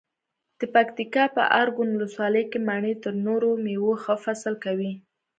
د پکتیکا په ارګون ولسوالۍ کې مڼې تر نورو مېوو ښه فصل کوي.